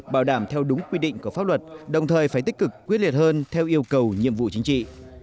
bảo đảm theo đúng quy định của pháp luật đồng thời phải tích cực quyết liệt hơn theo yêu cầu nhiệm vụ chính trị